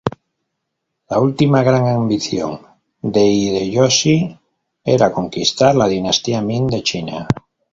La última gran ambición de Hideyoshi era conquistar la Dinastía Ming de China.